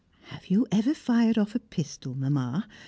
Have you ever fired off a pistol, Mamma?